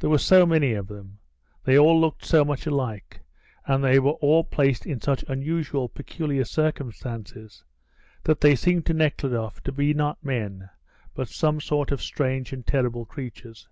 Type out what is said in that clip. There were so many of them, they all looked so much alike, and they were all placed in such unusual, peculiar circumstances, that they seemed to Nekhludoff to be not men but some sort of strange and terrible creatures.